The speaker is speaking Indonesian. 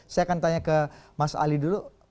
saya akan tanya ke mas ali dulu